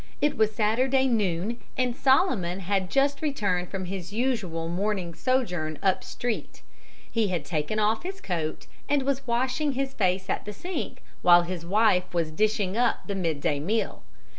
It was Saturday noon, and Solomon had just returned from his usual morning sojourn "up street." He had taken off his coat, and was washing his face at the sink, while his wife was "dishing up" the midday meal.